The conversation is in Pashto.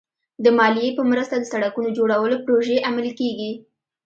د مالیې په مرسته د سړکونو جوړولو پروژې عملي کېږي.